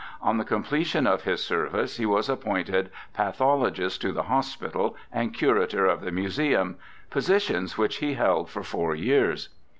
On the completion of his service he was appointed pathologist to the Hospital and curator of the Museum, positions which he held for four years.